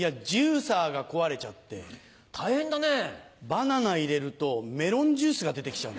バナナ入れるとメロンジュースが出てきちゃう。